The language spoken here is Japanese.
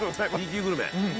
Ｂ級グルメ。